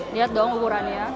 lihat dong ukurannya